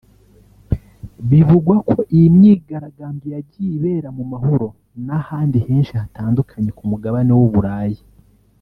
Bivugwa ko iyi myigaragambyo yagiye ibera mu mahoro n’ahandi henshi hatandukanye ku mugabane w’Uburayi